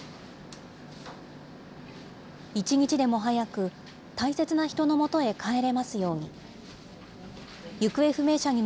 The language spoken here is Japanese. １日でも早く大切な人のもとへ帰れますように。